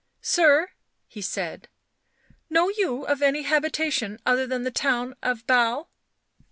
" Sir," he said, " know you of any habitation other than the town of Basle